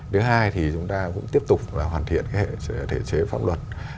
thứ hai thì chúng ta cũng tiếp tục hoàn thiện thể chế pháp luật